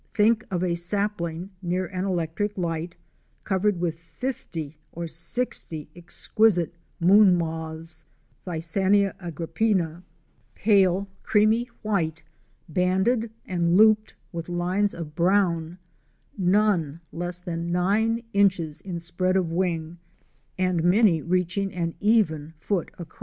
Think of a sapling near an electric light covered with fifty or sixty exquisite moon moths (Thysania agrip pina) — pale creamy white, banded and looped with lines of brown —none less than nine inches in spread of wing and many reaching an even foot across.